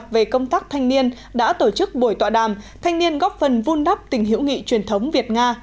về công tác thanh niên đã tổ chức buổi tọa đàm thanh niên góp phần vun đắp tình hiểu nghị truyền thống việt nga